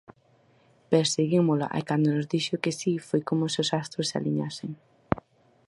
Perseguímola e cando nos dixo que si foi como se os astros se aliñasen.